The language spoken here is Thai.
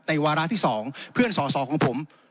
วาระที่๒เพื่อนสอสอของผม